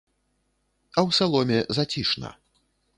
А ў саломе зацішна.